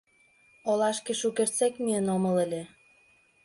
— Олашке шукертсек миен омыл ыле.